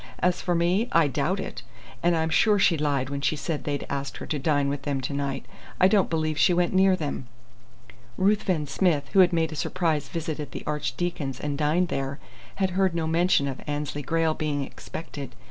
As for me, I doubt it. And I'm sure she lied when she said they'd asked her to dine with them to night. I don't believe she went near them." Ruthven Smith, who had made a surprise visit at the Archdeacon's and dined there, had heard no mention of Annesley Grayle being expected.